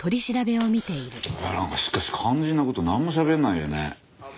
なんかしかし肝心な事なんもしゃべらないよね。